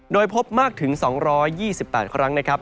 โดยพบมากถึง๒๒๘ครั้งนะครับ